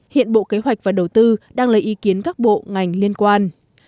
hiện bộ kế hoạch và đầu tư đang lấy ý kiến các bộ ngành liên quan